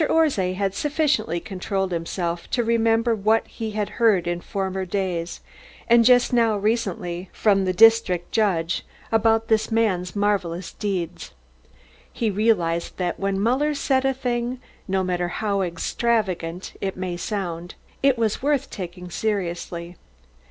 Orszay had sufficiently controlled himself to remember what he had heard in former days, and just now recently from the district judge about this man's marvellous deeds. He realised that when Muller said a thing, no matter how extravagant it might sound, it was worth taking seriously.